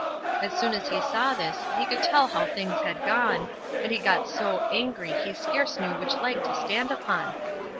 As soon as he saw this, he could tell how things had gone, and he got so angry he scarce knew which leg to stand upon.